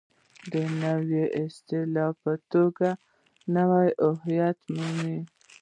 د نوې اصطلاح په توګه نوی هویت مومي.